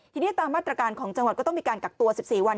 ทีนี้ตามมาตรการของจังหวัดก็ต้องมีการกักตัว๑๔วัน